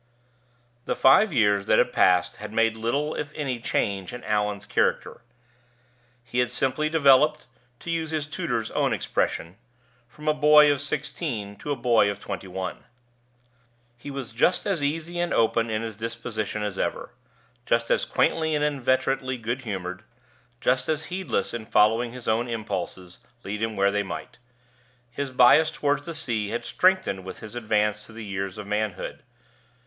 The five years that had passed had made little if any change in Allan's character. He had simply developed (to use his tutor's own expression) from a boy of sixteen to a boy of twenty one. He was just as easy and open in his disposition as ever; just as quaintly and inveterately good humored; just as heedless in following his own impulses, lead him where they might. His bias toward the sea had strengthened with his advance to the years of manhood.